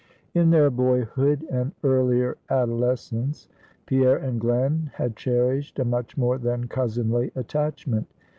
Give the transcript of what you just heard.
In their boyhood and earlier adolescence, Pierre and Glen had cherished a much more than cousinly attachment.